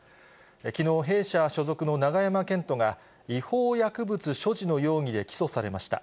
きのう、弊社所属の永山絢斗が、違法薬物所持の容疑で起訴されました。